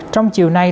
trong chiều nay